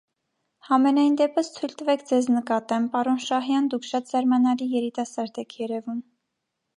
Համենայն դեպս, թույլ տվեք ձեզ նկատեմ, պարոն Շահյան, դուք շատ զարմանալի երիտասարդ եք երևում.